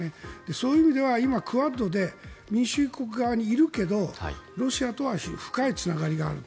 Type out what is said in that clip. そういう意味では今、クアッドで民主主義国側にいるけどロシアとは深いつながりがある。